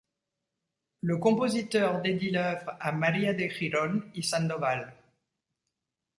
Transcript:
Le compositeur dédie l'œuvre à Maria de Giron y Sandoval.